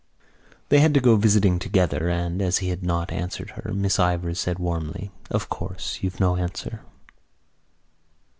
They had to go visiting together and, as he had not answered her, Miss Ivors said warmly: "Of course, you've no answer."